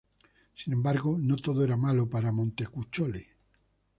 Sin embargo no todo era malo para Montecuccoli.